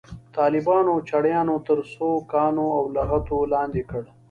طالبانو او چړیانو تر سوکانو او لغتو لاندې کړ.